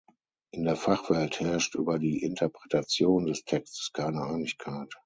In der Fachwelt herrscht über die Interpretation des Textes keine Einigkeit.